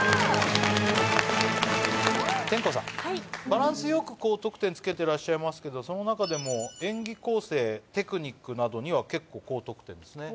バランスよく高得点つけてらっしゃいますけどその中でも演技構成テクニックなどには結構高得点ですね。